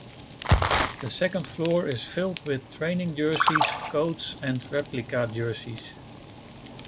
The second floor is filled with training jerseys, coats, and replica jerseys.